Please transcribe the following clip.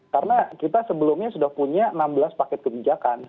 karena kita sebelumnya sudah punya enam belas paket kebijakan